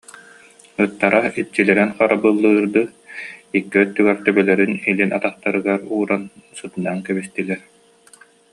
Ыттара иччилэрин харабыллыырдыы икки өттүгэр төбөлөрүн илин атахтарыгар ууран сытынан кэбистилэр